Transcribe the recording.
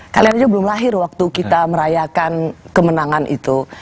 kalian aja belum lahir waktu kita merayakan kemenangan itu